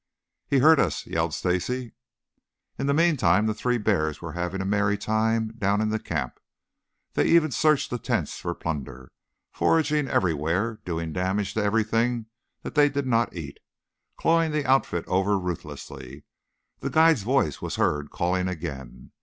"He heard us," yelled Stacy. In the meantime the three bears were having a merry time down in the camp. They even searched the tents for plunder, foraging everywhere, doing damage to everything that they did not eat, clawing the outfit over ruthlessly. The guide's voice was heard calling again.